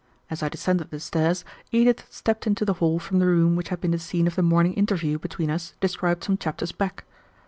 As I descended the stairs, Edith stepped into the hall from the room which had been the scene of the morning interview between us described some chapters back.